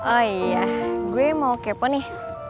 oh iya gue mau kepo nih